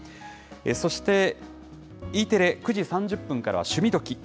そして、Ｅテレ、９時３０分からは趣味どきっ！